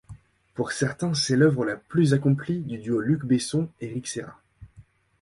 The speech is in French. Pour certains, c'est l'œuvre la plus accomplie du duo Luc Besson-Éric Serra.